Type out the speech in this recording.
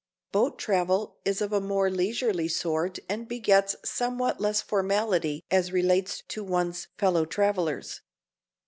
Boat travel is of a more leisurely sort and begets somewhat less formality as relates to one's fellow travelers.